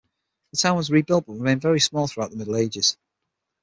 The town was rebuilt but remained very small throughout the Middle Ages.